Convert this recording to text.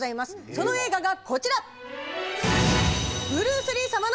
その映画がこちら！